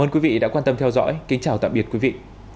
ơn quý vị đã quan tâm theo dõi kính chào tạm biệt quý vị